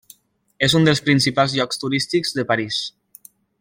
És un dels principals llocs turístics de París.